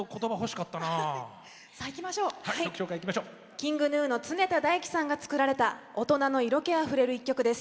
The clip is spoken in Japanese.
ＫｉｎｇＧｎｕの常田大希さんが作られた大人の色気あふれる１曲です。